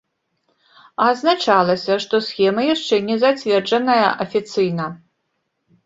Адзначалася, што схема яшчэ не зацверджаная афіцыйна.